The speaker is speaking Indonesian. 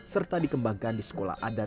serta dikembangkan di sekolah adat